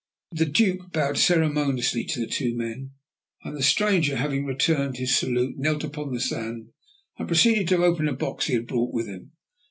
The Duke bowed ceremoniously to the two men, and the stranger, having returned his salute, knelt upon the sand, and proceeded to open a box he had brought with him.